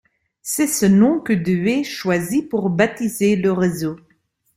C'est ce nom que Dewé choisit pour baptiser le réseau.